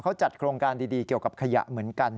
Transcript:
เขาจัดโครงการดีเกี่ยวกับขยะเหมือนกัน